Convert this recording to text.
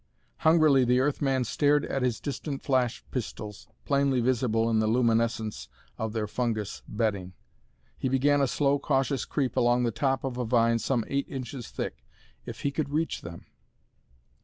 Hungrily the Earth man stared at his distant flash pistols, plainly visible in the luminescence of their fungus bedding. He began a slow, cautious creep along the top of a vine some eight inches thick. If he could reach them....